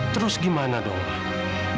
terus gimana dong pak